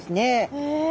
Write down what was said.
へえ。